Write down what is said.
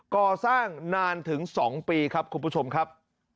ก่อสร้างนานถึง๒ปีครับคุณผู้ชมครับ